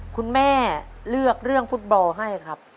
คุณแม่เลือกเรื่องฟุตบอลให้ครับ